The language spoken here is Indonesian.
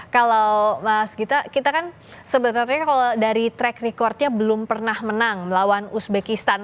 kalau mas gita kita kan sebenarnya kalau dari track recordnya belum pernah menang melawan uzbekistan